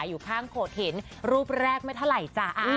อยู่ข้างโขดหินรูปแรกไม่เท่าไหร่จ้ะ